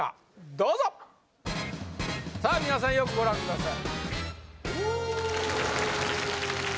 どうぞさあ皆さんよくご覧ください